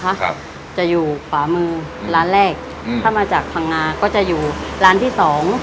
ครับจะอยู่ขวามือร้านแรกอืมถ้ามาจากพังงาก็จะอยู่ร้านที่สอง